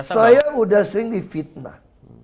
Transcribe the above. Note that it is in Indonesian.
saya udah sering di fitnah